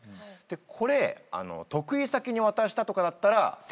これ得意先に渡したとかだったら接待交際費。